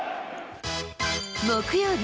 木曜日。